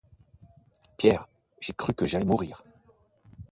Pierre, j'ai cru que j'allais mourir.